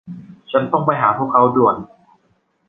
ฉันต้องไปหาพวกเขาด่วน